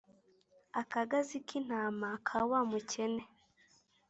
Akagazi k’ intama ka wa mukene